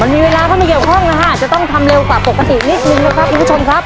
มีเวลาเข้ามาเกี่ยวข้องนะฮะจะต้องทำเร็วกว่าปกตินิดนึงนะครับคุณผู้ชมครับ